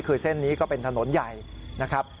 คือเส้นนี้ก็เป็นถนนใหญ่นะครับ